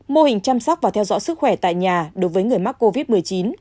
mô hình chăm sóc và theo dõi sức khỏe tại nhà đối với người mắc covid một mươi chín